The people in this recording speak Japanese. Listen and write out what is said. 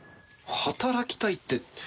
働きたいって。